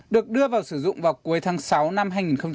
được đưa vào sử dụng vào cuối tháng sáu năm hai nghìn một mươi chín